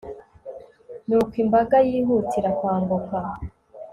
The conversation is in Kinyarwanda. nuko imbaga yihutira kwambuka